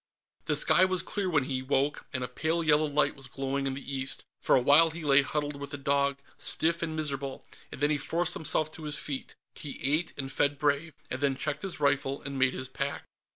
The sky was clear when he woke, and a pale yellow light was glowing in the east. For a while he lay huddled with the dog, stiff and miserable, and then he forced himself to his feet. He ate, and fed Brave, and then checked his rifle and made his pack.